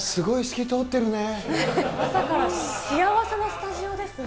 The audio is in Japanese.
朝から幸せなスタジオですね。